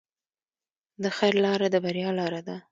د خیر لاره د بریا لاره ده.